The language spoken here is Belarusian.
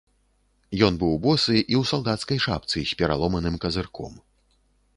Ён быў босы і ў салдацкай шапцы з пераломаным казырком.